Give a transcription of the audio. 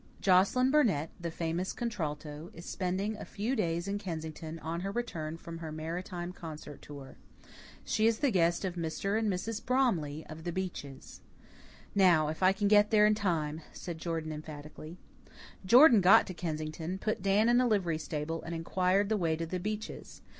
"Joscelyn Burnett, the famous contralto, is spending a few days in Kensington on her return from her Maritime concert tour. She is the guest of Mr. and Mrs. Bromley, of The Beeches." "Now if I can get there in time," said Jordan emphatically. Jordan got to Kensington, put Dan up in a livery stable, and inquired the way to The Beeches.